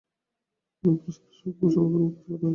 Luis ফিসারের সঙ্গে প্রসঙ্গক্রমে কিছু কথা হয়েছে।